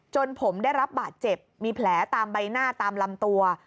จนผมได้รับบาดเจ็บมีแผลตามใบหน้าตามลำตัว